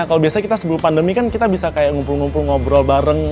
kalau biasanya kita sebelum pandemi kan kita bisa kayak ngumpul ngumpul ngobrol bareng